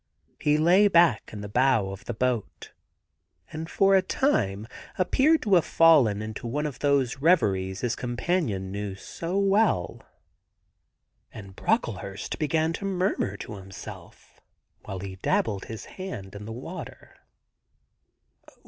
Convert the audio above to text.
He lay back in the bow of the boat, and for a time appeared to have fallen into one of those reveries his companion knew so well. 74 THE GARDEN GOD And Brocklehurst began to murmur to himself while he dabbled his hand in the water.